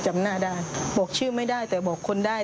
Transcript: จำหน้าได้บอกชื่อไม่ได้แต่บอกคนได้